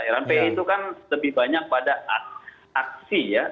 rampi itu kan lebih banyak pada aksi ya